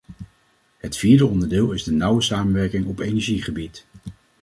Het vierde onderdeel is de nauwe samenwerking op energiegebied.